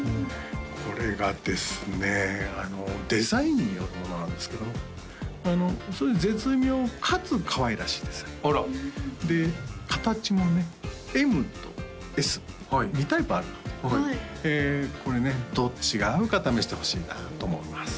これがですねデザインによるものなんですけどもそういう絶妙かつかわいらしいですあらで形もねＭとＳ２タイプあるのでこれねどっちが合うか試してほしいなと思います